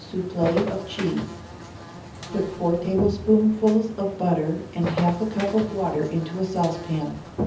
= Put four tablespoonfuls of butter and half a cup of water into a saucepan.